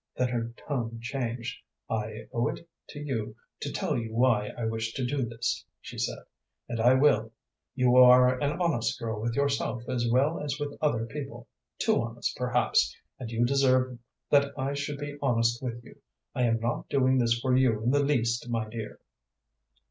Then her tone changed. "I owe it to you to tell you why I wish to do this," she said, "and I will. You are an honest girl, with yourself as well as with other people too honest, perhaps, and you deserve that I should be honest with you. I am not doing this for you in the least, my dear."